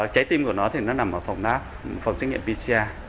trái tim của nó nằm ở phòng xét nghiệm pcr